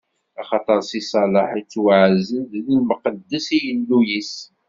Axaṭer Si Salaḥ ittwaɛzel d imqeddes i Yillu-is.